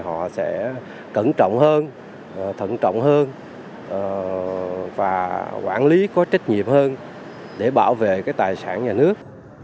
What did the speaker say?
họ sẽ cẩn trọng hơn thận trọng hơn và quản lý có trách nhiệm hơn để bảo vệ cái tài sản nhà nước